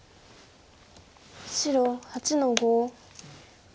白８の五。